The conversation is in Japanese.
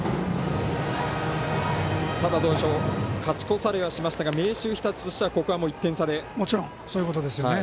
勝ち越されはしましたが明秀日立としてはここは１点差で。